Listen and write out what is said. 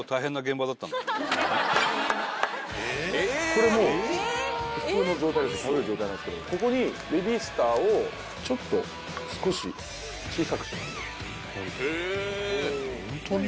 これもう食べる状態なんですけどここにベビースターをちょっと少し小さくします。